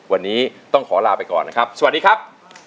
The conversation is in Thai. วันนี้ต้องขอลาไปก่อนนะครับสวัสดีครับ